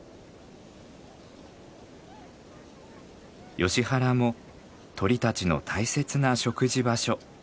ヨシ原も鳥たちの大切な食事場所。